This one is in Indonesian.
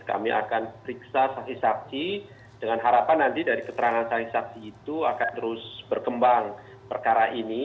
kami akan periksa saksi saksi dengan harapan nanti dari keterangan saksi saksi itu akan terus berkembang perkara ini